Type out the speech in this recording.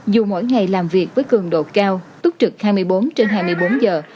dù mỗi ngày làm việc với cường độ cao túc trực hai mươi bốn trên hai mươi bốn giờ